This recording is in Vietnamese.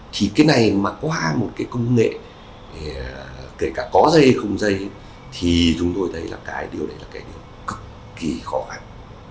thì cái này mà qua một cái công nghệ kể cả có dây không dây thì chúng tôi thấy là cái điều đấy là cái điều cực kỳ khó khăn